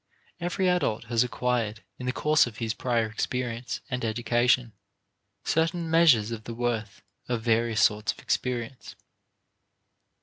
Every adult has acquired, in the course of his prior experience and education, certain measures of the worth of various sorts of experience.